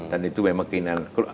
dan itu memang keinginan